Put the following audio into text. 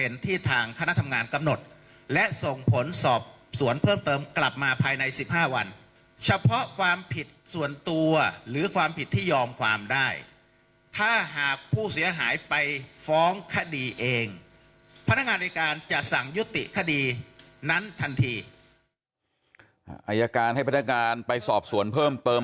นั้นทันทีอายการให้พนักงานไปสอบสวนเพิ่มเติม